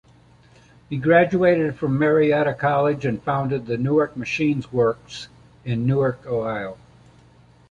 He graduated from Marietta College, and founded the Newark Machine Works in Newark, Ohio.